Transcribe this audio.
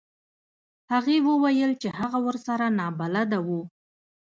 هغې وویل چې هغه ورسره نابلده و.